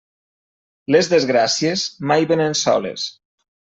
Les desgràcies, mai vénen soles.